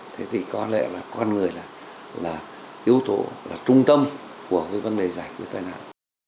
thế thì có lẽ là con người là yếu tố là trung tâm của cái vấn đề giải quyết tai nạn